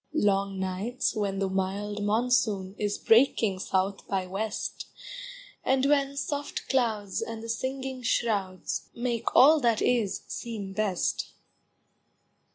Long nights when the mild monsoon Is breaking south by west, And when soft clouds and the singing shrouds Make all that is seem best.